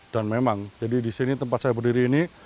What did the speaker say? dan memang jadi disini tempat saya berdiri ini